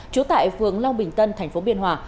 trú tại phường long bình tân tp biên hòa